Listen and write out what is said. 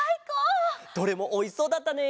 どれもおいしそうだったね！